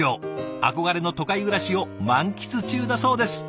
憧れの都会暮らしを満喫中だそうです。